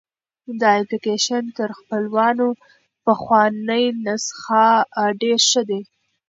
دا اپلیکیشن تر پخواني نسخه ډېر ښه دی.